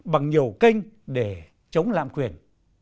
bằng nhiều kênh để chống lạm quyền